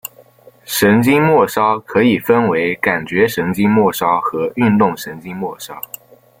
神经末梢可以分为感觉神经末梢和运动神经末梢。